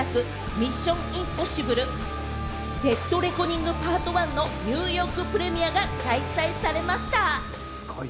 『ミッション：インポッシブル／デッド・レコニングＰＡＲＴＯＮＥ』のニューヨークプレミアが開催されました。